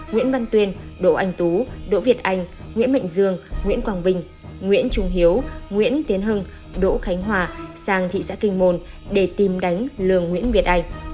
nguyễn văn tuyên đỗ anh tú đỗ việt anh nguyễn mạnh dương nguyễn quang bình nguyễn trung hiếu nguyễn tiến hưng đỗ khánh hòa sang thị xã kinh môn để tìm đánh lường nguyễn việt anh